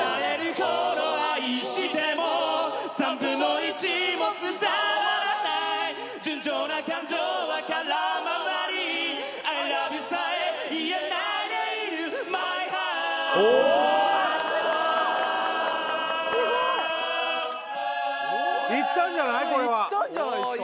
これはいったんじゃないすか！？